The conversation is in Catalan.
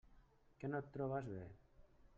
Que no et trobes bé?